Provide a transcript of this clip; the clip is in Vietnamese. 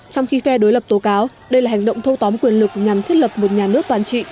trong khi phe đối lập tố cáo đây là hành động thâu tóm quyền lực nhằm thiết lập một nhà nước toàn trị